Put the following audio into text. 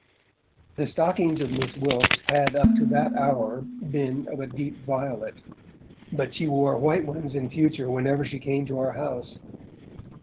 The stockings of Miss Wilkes had up to that hour been of a deep violet, but she wore white ones in future whenever she came to our house.